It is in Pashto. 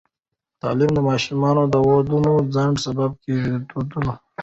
تعلیم د ماشومانو د ودونو د ځنډ سبب کېږي.